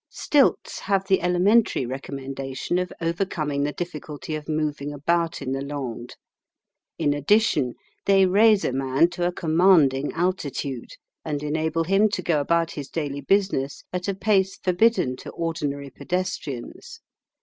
Stilts have the elementary recommendation of overcoming the difficulty of moving about in the Landes. In addition, they raise a man to a commanding altitude, and enable him to go about his daily business at a pace forbidden to ordinary pedestrians.